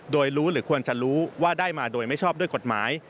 โดยรู้หรือควรจะรู้ว่าได้มาโดยไม่ชอบด้วยกฎหมาย